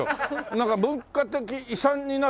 なんか文化的遺産になるの？